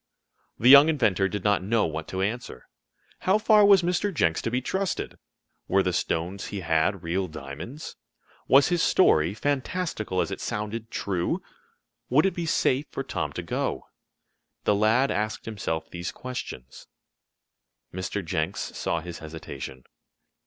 The young inventor did not know what to answer. How far was Mr. Jenks to be trusted? Were the stones he had real diamonds? Was his story, fantastical as it sounded true? Would it be safe for Tom to go? The lad asked himself these questions. Mr. Jenks saw his hesitation.